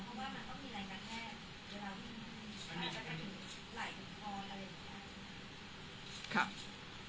เพราะว่ามันต้องมีแรงการแพทย์เวลามีอาจารย์ที่ไหลกับคออะไรอย่างนี้